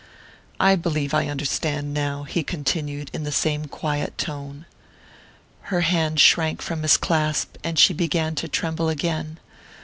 "I believe I understand now," he continued, in the same quiet tone. Her hand shrank from his clasp, and she began to tremble again.